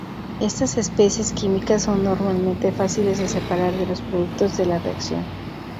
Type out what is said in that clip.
Estas especies químicas son normalmente fáciles de separar de los productos de la reacción.